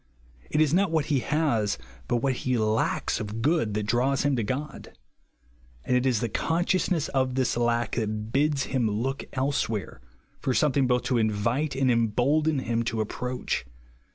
It is not what he has, bat what he lacks of good that draws him to God ; and it is the con sciousness of this lack that bids him look elsewhere, for something both to invite and embolden him to approach.